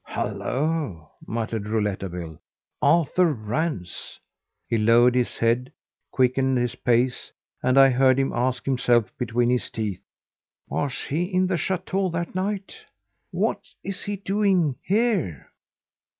"Hullo!" muttered Rouletabille. "Arthur Rance!" He lowered his head, quickened his pace, and I heard him ask himself between his teeth: "Was he in the chateau that night? What is he doing here?"